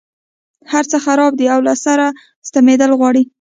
هرڅه خراب دي او له سره سمېدل غواړي.